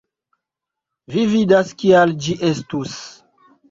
Vi vidas kial ĝi estus